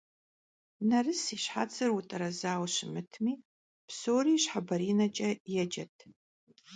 Nerıs yi şhetsır vut'erezaue şımıtmi psori şhebarineç'e yêcet.